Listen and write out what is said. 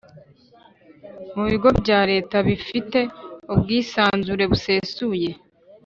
Mu Bigo bya Leta bifite ubwisanzure busesuye